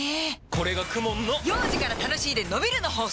これがＫＵＭＯＮの幼児から楽しいでのびるの法則！